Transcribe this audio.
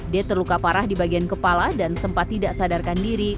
d terluka parah di bagian kepala dan sempat tidak sadarkan diri